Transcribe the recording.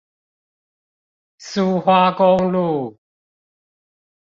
蘇花公路